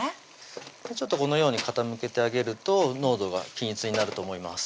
ちょっとこのように傾けてあげると濃度が均一になると思います